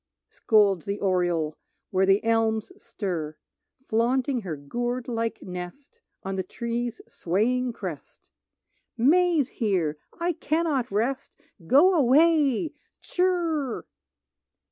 scolds the oriole Where the elms stir, Flaunting her gourd like nest On the tree's swaying crest: "May's here, I cannot rest, Go away; tshirr!"